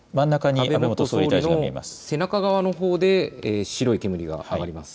安倍元総理の背中側のほうで白い煙が上がります。